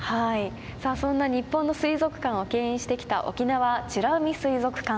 さあそんな日本の水族館をけん引してきた沖縄美ら海水族館。